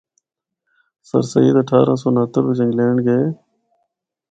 سرسید اٹھارہ سو اُنہتر بچ انگلینڈ گئے۔